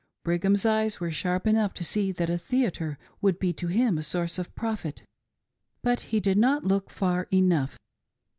Brigham's eyes were sharp enough to see that a theatre would be to him a source of profit, but he did not look far enough.